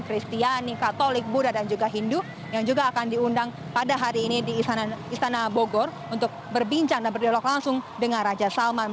kristiani katolik buddha dan juga hindu yang juga akan diundang pada hari ini di istana bogor untuk berbincang dan berdialog langsung dengan raja salman